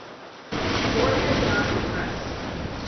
Forehead not impressed.